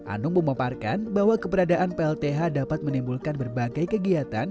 anung memaparkan bahwa keberadaan plth dapat menimbulkan berbagai kegiatan